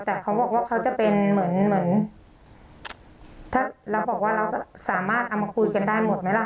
แต่เขาบอกว่าเขาจะเป็นเหมือนเหมือนถ้าเราบอกว่าเราสามารถเอามาคุยกันได้หมดไหมล่ะ